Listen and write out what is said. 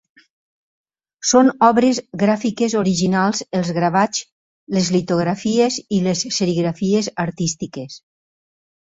Són obres gràfiques originals els gravats, les litografies i les serigrafies artístiques.